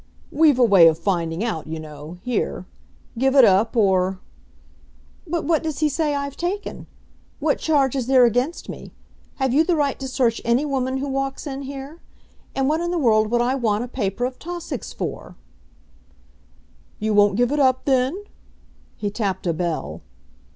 "We've a way of finding out, you know, here. Give it up or " "But what does he say I've taken? What charge is there against me? Have you the right to search any woman who walks in here? And what in the world would I want a paper of Tausig's for?" "You won't give it up then?" He tapped a bell.